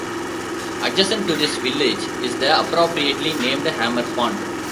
Adjacent to this village is the appropriately named "Hammer Pond".